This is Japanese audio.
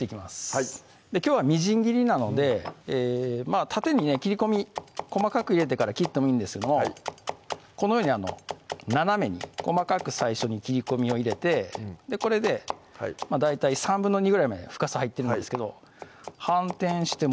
はいきょうはみじん切りなので縦にね切り込み細かく入れてから切ってもいいんですけどもこのように斜めに細かく最初に切り込みを入れてこれで大体２／３ぐらいまで深さ入ってるんですけど反転して